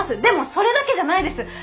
でもそれだけじゃないです！